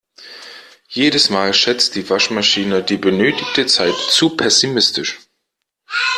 Jedes Mal schätzt die Waschmaschine die benötigte Zeit zu pessimistisch.